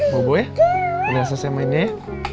bobo ya udah selesai mainnya ya